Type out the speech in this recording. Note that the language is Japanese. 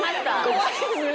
怖いですね！